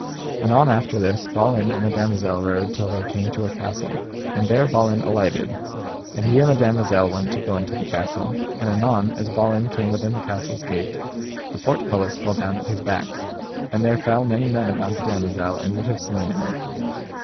Anon after this Balin and the damosel rode till they came to a castle, and there Balin alighted, and he and the damosel went to go into the castle, and anon as Balin came within the castle's gate the portcullis fell down at his back, and there fell many men about the damosel, and would have slain her.